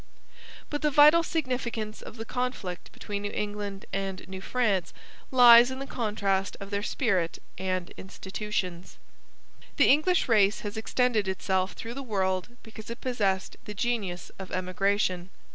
But the vital significance of the conflict between New England and New France lies in the contrast of their spirit and institutions. The English race has extended itself through the world because it possessed the genius of emigration.